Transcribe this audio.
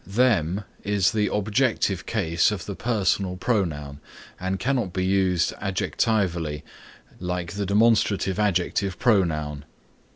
Them is the objective case of the personal pronoun and cannot be used adjectively like the demonstrative adjective pronoun.